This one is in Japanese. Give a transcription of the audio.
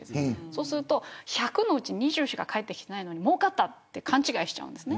そうすると１００のうち２０しか返ってきていないのにもうかったと違いしちゃんです。